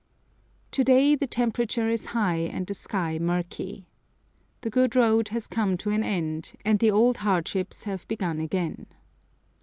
To day the temperature is high and the sky murky. The good road has come to an end, and the old hardships have begun again.